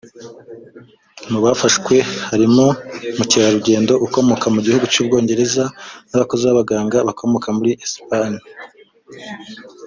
Mu bafashwe harimo mukerarugendo ukomoka mu gihugu cy’u Bwongereza n’abakozi b’abaganga bakomoka muri Espagne